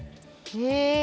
へえ。